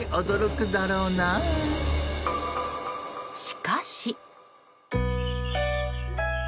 しかし。